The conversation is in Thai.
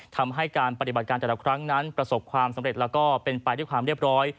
ทำให้การปฏิบัติการแต่ละครั้งนั้นประสบความสำเร็จแล้วก็เป็นไปด้วยความเรียบร้อย